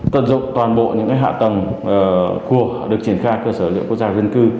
tận dụng toàn bộ những hạ tầng của được triển khai cơ sở liệu quốc gia dân cư